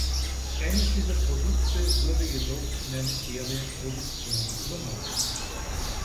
Keines dieser Projekte wurde jedoch in eine Serienproduktion übernommen.